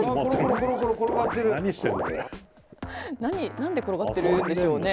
何で転がってるんでしょうね。